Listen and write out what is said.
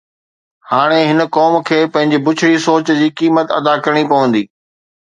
ھاڻي ھن قوم کي پنھنجي ٻچڙي سوچ جي قيمت ادا ڪرڻي پوندي.